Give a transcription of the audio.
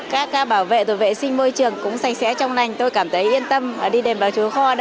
các ca bảo vệ tuổi vệ sinh môi trường cũng sành sẻ trong lành tôi cảm thấy yên tâm đi đềm bà chúa kho